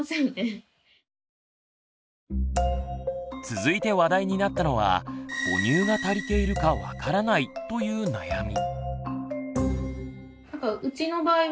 続いて話題になったのは「母乳が足りているか分からない」という悩み。